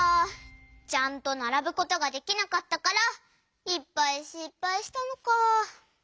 ちゃんとならぶことができなかったからいっぱいしっぱいしたのか。